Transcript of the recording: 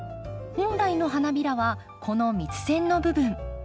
本来の花びらはこの蜜腺の部分。